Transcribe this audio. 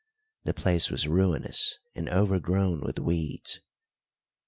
The place was ruinous and overgrown with weeds.